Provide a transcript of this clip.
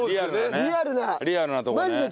リアルなとこね。